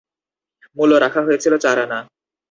মূল্য রাখা হয়েছিল চার আনা।